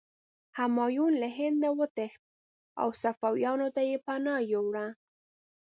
همایون له هند نه وتښتېد او صفویانو ته پناه یووړه.